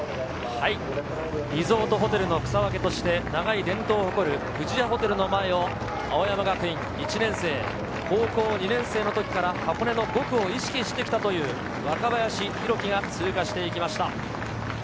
リゾートホテルの草分けとして長い伝統を誇る富士屋ホテルの前を青山学院１年生、高校２年生の時から箱根の５区を意識してきたという若林宏樹が通過してきました。